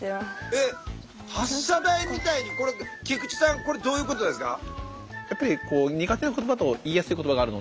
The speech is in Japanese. えっ発射台みたいに菊池さんこれどういうことですか？